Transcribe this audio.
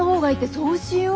そうしよう。